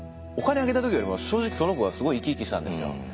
お金あげた時よりも正直その子がすごい生き生きしたんですよ。